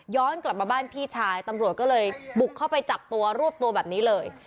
กลับมาบ้านพี่ชายตำรวจก็เลยบุกเข้าไปจับตัวรวบตัวแบบนี้เลย